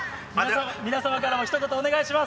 皆様からもひと言お願いしま